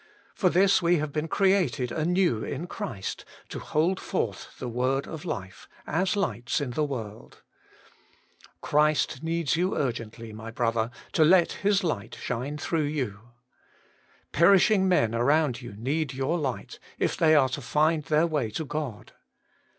For this we have been created anew in Christ, to hold forth the Word of Life, as lights in the world. Christ needs you urgently, my brother, to let His light shine through you. Perishing men around you need your light, if they are to find their way to God.